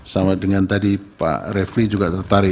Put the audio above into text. sama dengan tadi pak refli juga tertarik